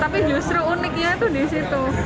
tapi justru uniknya itu di situ